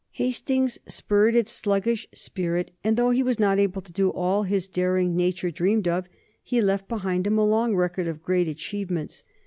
Hastings spurred its sluggish spirit, and, though he was not able to do all that his daring nature dreamed of, he left behind him a long record of great achievements.